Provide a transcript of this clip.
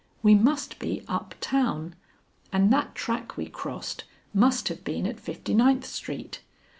We must be up town, and that track we crossed must have been at Fifty ninth Street.